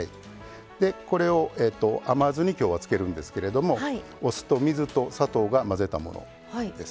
これを甘酢に今日はつけるんですけれどもお酢と水と砂糖を混ぜたものです。